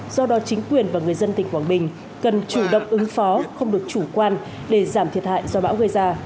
do đó chính quyền và người dân tỉnh quảng bình cần chủ động ứng phó không được chủ quan để giảm thiệt hại do bão gây ra